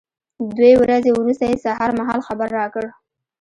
دوې ورځې وروسته یې سهار مهال خبر را کړ.